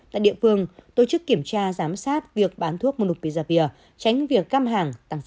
tại địa phương tổ chức kiểm tra giám sát việc bán thuốc monopizavir tránh việc cam hàng tăng giá